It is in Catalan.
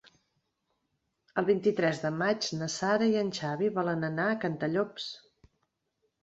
El vint-i-tres de maig na Sara i en Xavi volen anar a Cantallops.